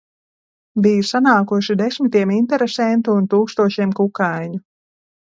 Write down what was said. Bija sanākuši desmitiem interesentu un tūkstošiem kukaiņu.